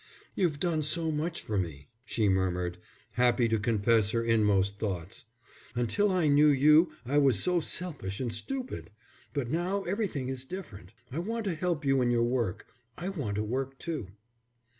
"You've done so much for me," she murmured, happy to confess her inmost thoughts. "Until I knew you I was so selfish and stupid. But now everything is different. I want to help you in your work. I want to work too."